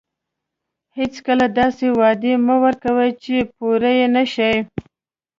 هیڅکله داسې وعدې مه ورکوئ چې پوره یې نه شئ.